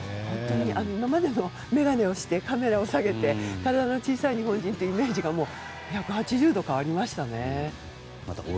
今までの眼鏡をしてカメラを提げて体の小さい日本人というイメージが１８０度変わりましたね。